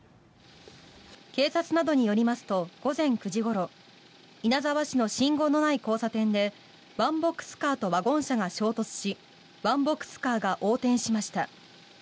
警察などによりますと午前９時ごろ稲沢市の信号のない交差点でワンボックスカーとワゴン車が衝突しワンボックスカーが横転しました。